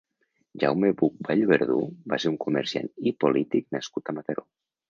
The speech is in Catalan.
Jaume Buch Vallverdú va ser un comerciant i polític nascut a Mataró.